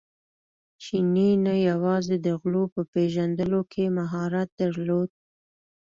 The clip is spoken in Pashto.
چیني نه یوازې د غلو په پېژندلو کې مهارت درلود.